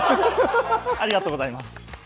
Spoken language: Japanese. ありがとうございます！